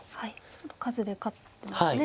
ちょっと数で勝ってますね。